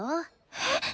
えっ！？